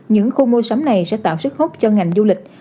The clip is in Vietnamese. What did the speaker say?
những khu mua sắm này sẽ tạo sức hút cho ngành du lịch